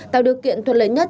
tạo điều kiện thuận lợi nhất